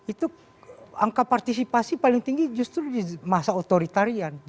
itu angka partisipasi paling tinggi justru di masa otoritarian